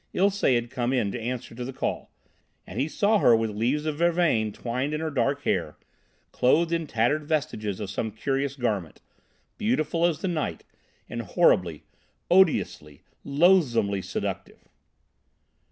Ilsé had come in answer to the call, and he saw her with leaves of vervain twined in her dark hair, clothed in tattered vestiges of some curious garment, beautiful as the night, and horribly, odiously, loathsomely seductive.